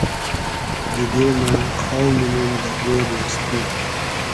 دیدې مۂ خاو مونوم دۂ گۉری از تو